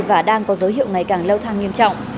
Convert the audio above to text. và đang có dấu hiệu ngày càng leo thang nghiêm trọng